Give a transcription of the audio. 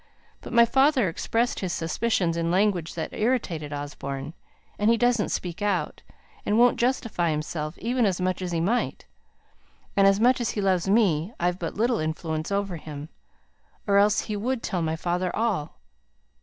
But my father expressed his suspicions in language that irritated Osborne; and he doesn't speak out, and won't justify himself even as much as he might; and, much as he loves me, I've but little influence over him, or else he would tell my father all.